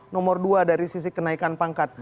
nomor dua dari sisi kenaikan pangkat